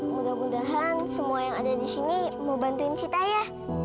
mudah mudahan semua yang ada di sini mau bantuin kita ya